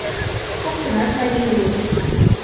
Коктынат марий улыт.